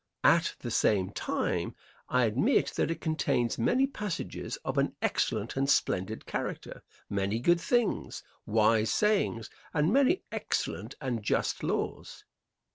At the same time, I admit that it contains many passages of an excellent and splendid character many good things, wise sayings, and many excellent and just laws.